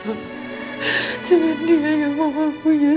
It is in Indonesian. kita berdua saja sama mama ya